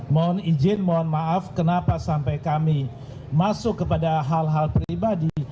mohon izin mohon maaf kenapa sampai kami masuk kepada hal hal pribadi